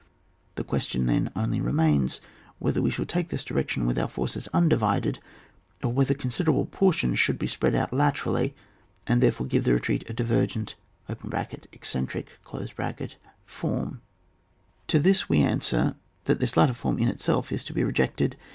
The question then only re mains whether we shall take this direction with our forces undivided, or whether considerable portions should spread out laterally and therefore give the retreat a divergent (eccentric) form. To this we answer that this latter form in itself is to be rejected.